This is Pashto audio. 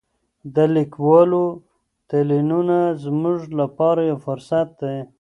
د لیکوالو تلینونه زموږ لپاره یو فرصت دی.